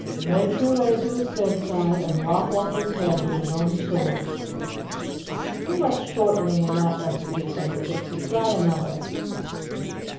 "' make your way to his bedside, and lop off his head with his own sword.'" "Too much shortening in that recipe," said the Pixie. "Try another."